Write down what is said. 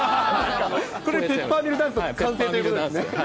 これ、ペッパーミルダンス完成ということですね。